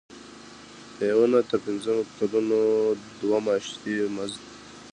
د یو نه تر پنځه کلونو دوه میاشتې مزد.